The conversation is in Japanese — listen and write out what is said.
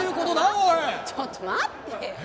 ちょっと待ってよ。